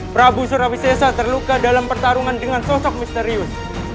prabu surabhi sesa terluka dalam pertarungan dengan sosok misterius